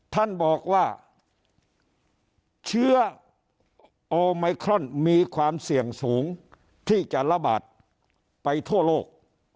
ท่านบอกว่าเชื้อโอไมครอนมีความเสี่ยงสูงที่จะระบาดไปทั่วโลก